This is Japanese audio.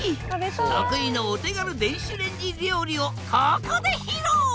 得意のお手軽電子レンジ料理をここで披露！